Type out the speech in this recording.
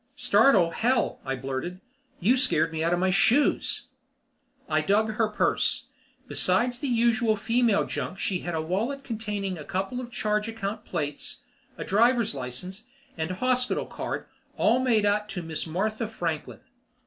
"Startle, hell!" I blurted. "You scared me out of my shoes." I dug her purse. Beside the usual female junk she had a wallet containing a couple of charge account plates, a driver's license, and a hospital card, all made out to Miss Martha Franklin.